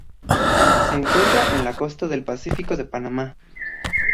Se encuentra en la costa del Pacífico de Panamá.